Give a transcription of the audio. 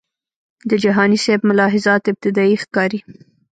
د جهانی سیب ملاحظات ابتدایي ښکاري.